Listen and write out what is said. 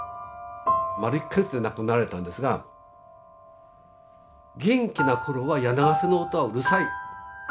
丸１か月で亡くなられたんですが「元気な頃は柳ケ瀬の音はうるさい。